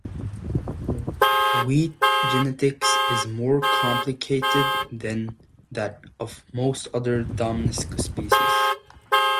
Wheat genetics is more complicated than that of most other domesticated species.